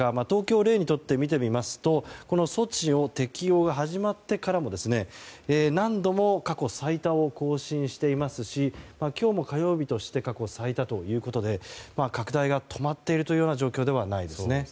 東京を例にとってみますと措置の適用が始まってからも何度も過去最多を更新していますし今日も火曜日として過去最多ということで拡大が止まっているというような状況ではないですね。